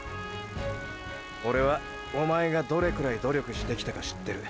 オレはおまえがどれくらい努力してきたか知ってる。